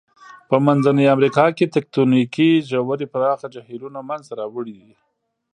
په منځنۍ امریکا کې تکتونیکي ژورې پراخه جهیلونه منځته راوړي دي.